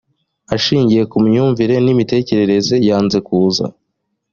ashingiye ku myumvire n ‘imitekerereze yanze kuza.